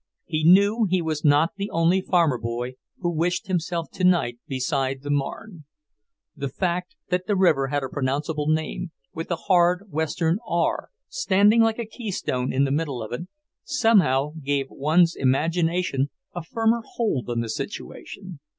He knew he was not the only farmer boy who wished himself tonight beside the Marne. The fact that the river had a pronounceable name, with a hard Western "r" standing like a keystone in the middle of it, somehow gave one's imagination a firmer hold on the situation.